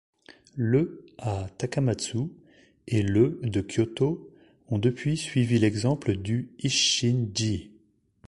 Le à Takamatsu et le de Kyoto ont depuis suivi l'exemple du Isshin-ji.